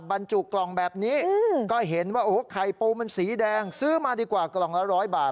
บรรจุกล่องแบบนี้ก็เห็นว่าโอ้โหไข่ปูมันสีแดงซื้อมาดีกว่ากล่องละ๑๐๐บาท